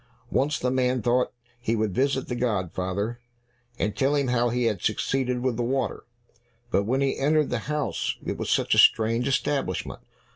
Once the man thought he would visit the godfather, and tell him how he had succeeded with the water. But when he entered the house, it was such a strange establishment!